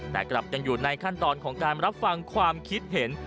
แต่กลับยังอยู่ในขั้นตอนของการรับฟังความคิดเห็น